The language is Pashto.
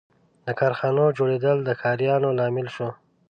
• د کارخانو جوړېدل د ښاریاتو لامل شو.